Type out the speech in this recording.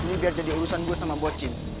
ini biar jadi urusan gue sama boccine